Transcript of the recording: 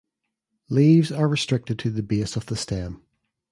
Leaves are restricted to the base of the stem.